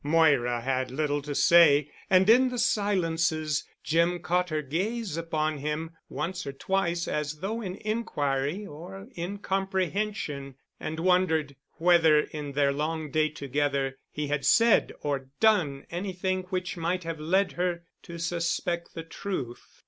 Moira had little to say and in the silences Jim caught her gaze upon him once or twice as though in inquiry or incomprehension, and wondered whether in their long day together, he had said or done anything which might have led her to suspect the truth.